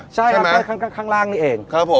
ใช่ครับข้างล่างนี่เอง